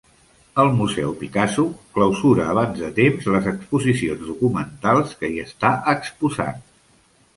El Museu Picasso clausura abans de temps les exposicions documentals que hi està exposant